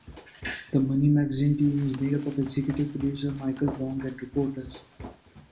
The "Money Magazine" team is made up of executive producer Michael Wong and reporters.